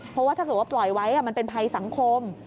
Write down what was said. เพราะว่าถ้าเกิดว่าปล่อยไว้มันเป็นภัยสังคม